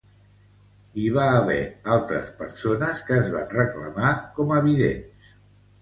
Hi va haver altres persones que es van reclamar com a vidents.